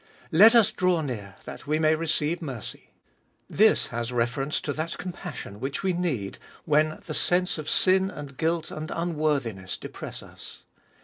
Let us draw near, that we may receive mercy. This has reference to that compassion which we need when the sense of sin and guilt and unworthiness depress us.